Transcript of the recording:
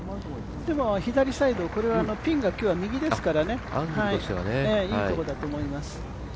でも、左サイド、ピンが今日は右ですからいいところだと思います。